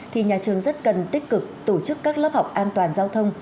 thì nhà trường rất cần tích cực tổ chức các lớp học an toàn giao thông